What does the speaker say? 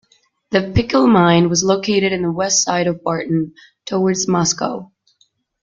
The Pickell Mine was located on the west side of Barton towards Moscow.